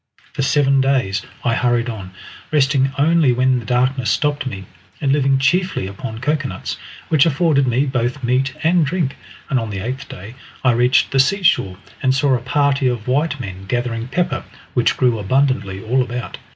For seven days I hurried on, resting only when the darkness stopped me, and living chiefly upon cocoanuts, which afforded me both meat and drink, and on the eighth day I reached the seashore and saw a party of white men gathering pepper, which grew abundantly all about.